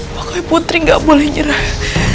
pokoknya putri gak boleh nyerah